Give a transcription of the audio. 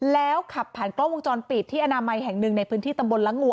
แล้วขับผ่านกล้องวงจรปิดที่อนามัยแห่งหนึ่งในพื้นที่ตำบลละงู